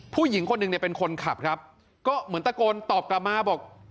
ผู้หญิงคนหนึ่งเนี่ยเป็นคนขับครับก็เหมือนตะโกนตอบกลับมาบอก